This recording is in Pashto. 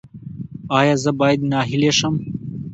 ایا زه باید ناهیلي شم؟